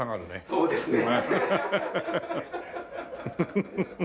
そうですね。